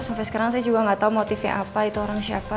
sampai sekarang saya juga nggak tahu motifnya apa itu orang siapa